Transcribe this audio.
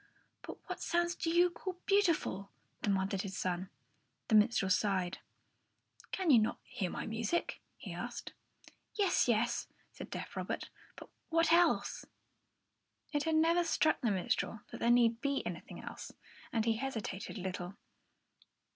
"But what sounds do you call beautiful?" demanded his son. The minstrel smiled. "Can you not hear my music?" he asked. "Yes, yes," said deaf Robert; "but what else?" It had never struck the minstrel that there need be anything else, and he hesitated a little.